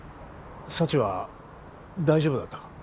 幸は大丈夫だったか？